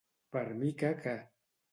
Per mica que.